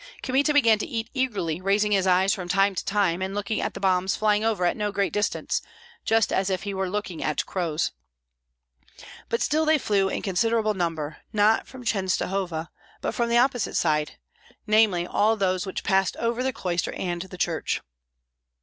Kmita began to eat eagerly, raising his eyes from time to time and looking at the bombs flying over at no great distance, just as if he were looking at crows. But still they flew in considerable number, not from Chenstohova, but from the opposite side; namely, all those which passed over the cloister and the church.